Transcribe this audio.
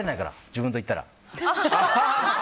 自分と行ったら。